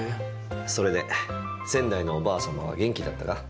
それで仙台のおばあさまは元気だったか？